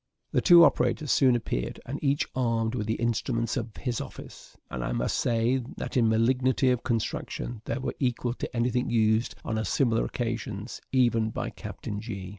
The two operators soon appeared, each armed with the instruments of his office; and I must say that, in malignity of construction, they were equal to any thing used on similar occasions even by Captain G